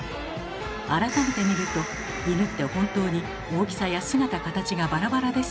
改めて見るとイヌって本当に大きさや姿・形がバラバラですよね。